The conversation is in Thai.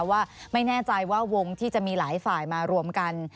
ว่าไม่แน่ใจว่าวงที่จะมีหลายฝ่ายมารวมกัน